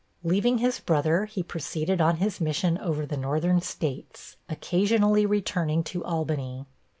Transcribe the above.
Leaving his brother, he proceeded on his mission over the Northern States, occasionally returning to Albany.